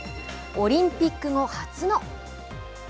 オリンピック後、初の。